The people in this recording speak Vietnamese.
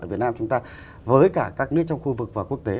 ở việt nam chúng ta với cả các nước trong khu vực và quốc tế